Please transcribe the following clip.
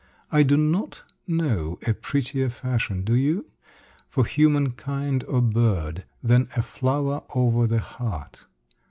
I do not know a prettier fashion do you? for human kind or bird, than a flower over the heart.